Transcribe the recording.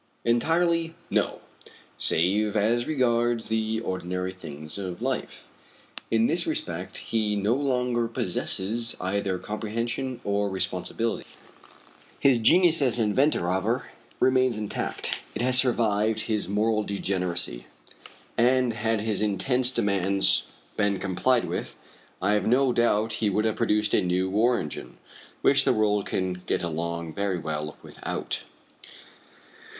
"Entirely, no; save as regards the ordinary things of life. In this respect he no longer possesses either comprehension or responsibility. His genius as an inventor, however, remains intact; it has survived his moral degeneracy, and, had his insensate demands been complied with, I have no doubt he would have produced a new war engine which the world can get along very well without."